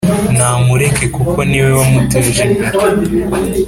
Namureke kuko niwe wamuteje imbere